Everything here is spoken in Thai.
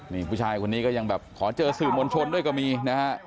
นี่ผู้ชายคนนี้ก็ยังแบบขอเจอสื่อมวลชนด้วยก็มีนะฮะ